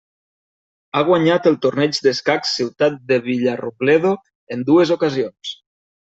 Ha guanyat el Torneig d'Escacs Ciutat de Villarrobledo en dues ocasions.